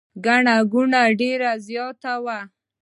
ګڼه ګوڼه ډېره زیاته وه.